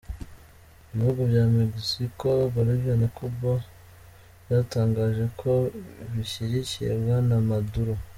Ibihugu bya Mexico, Bolivia na Cuba, byatangaje ko bishyigikiye Bwana Maduro.